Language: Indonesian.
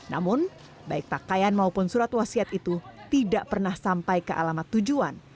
namun baik pakaian maupun surat wasiat itu tidak pernah sampai ke alamat tujuan